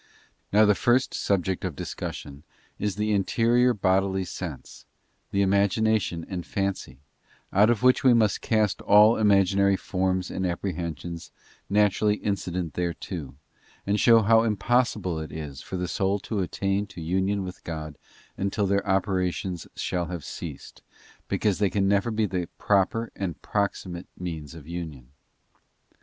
Now the first subject of discussion is the interior bodily MEDITATION BY IMAGINATION AND REFLECTION. 97 sense, the imagination and fancy, out of which we must cast all imaginary forms and apprehensions naturally incident thereto, and show how impossible it is for the soul to attain to inion with God until their operations shall have ceased, because they can never be the proper and proximate means of union.